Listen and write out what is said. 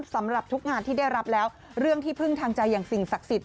สำหรับทุกงานที่ได้รับแล้วเรื่องที่พึ่งทางใจอย่างสิ่งศักดิ์สิทธิ